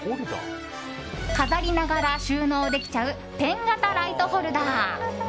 飾りながら収納できちゃうペン型ライトホルダー。